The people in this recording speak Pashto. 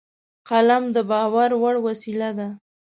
قلم د باور وړ وسیله ده